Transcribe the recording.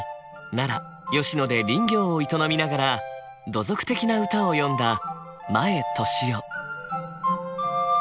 奈良・吉野で林業を営みながら土俗的な歌を詠んだ前登志夫。